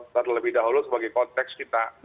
terlebih dahulu sebagai konteks kita